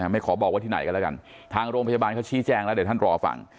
ไม่ขอบอกว่าที่ไหนก็แล้วกัน